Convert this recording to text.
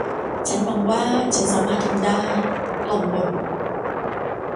ฉันหวังว่าฉันสามารถทำได้ หล่อนบ่น